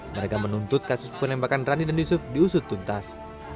mereka menuntut kasus penembakan rani dan yusuf diusut tuntas